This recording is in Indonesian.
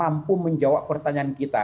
menjawab pertanyaan kita